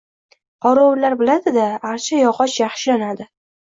Qorovullar biladi-da, archa yog‘och yaxshi yonadi.